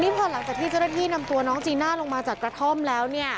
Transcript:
พอหลังจากที่เจ้าหน้าที่นำตัวน้องจีน่าลงมาจากกระท่อมแล้วเนี่ย